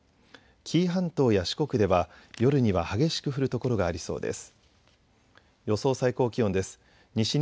紀伊半島や四国では夜には激しく降る所がありそうです。